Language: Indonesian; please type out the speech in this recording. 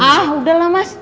ah udahlah mas